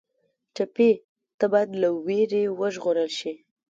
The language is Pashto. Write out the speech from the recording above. ټپي ته باید له وېرې وژغورل شي.